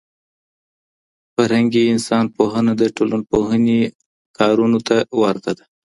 فرهنګي انسان پوهنه د ټولنپوهني کارونو ته ورته ده.